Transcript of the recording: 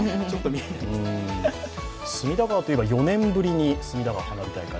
隅田川といえば４年ぶりに花火大会。